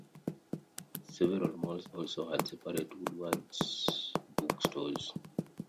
Several malls also had separate Woodward's Book Stores.